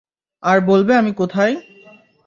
আর বলবে আমি কোথায়!